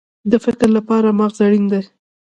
د فکر لپاره مغز اړین دی